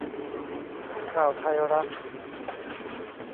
ข่าวไทยรัฐ